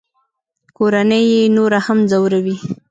کورنۍ یې نور هم ځوروي